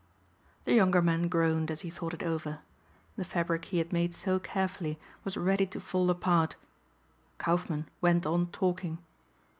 The younger man groaned as he thought it over. The fabric he had made so carefully was ready to fall apart. Kaufmann went on talking.